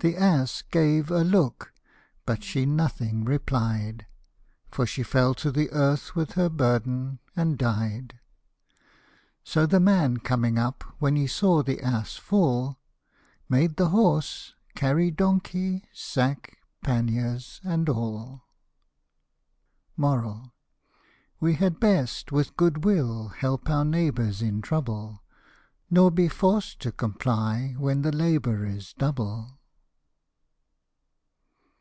The ass gave a look, but nothing replied ; For she fell to the earth with her burden, and died ; So the man coming up when he saw the ass fall, Made the horse carry donkey, sack, panniers, and all. We had best with good will help our neighbours in trouble, Nor be forced to comply when the labour is double.